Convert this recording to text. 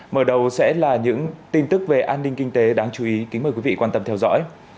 mở đầu sẽ là những tin tức về an ninh kinh tế đáng chú ý kính mời quý vị quan tâm theo dõi